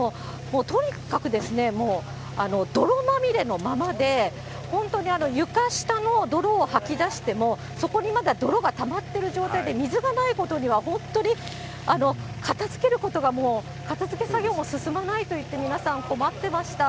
とにかくもう泥まみれのままで、本当に床下の泥を掃き出しても、そこにまだ泥がたまってる状態で、水がないことには本当に片づけることがもう、片づけ作業も進まないといって、皆さん、困ってました。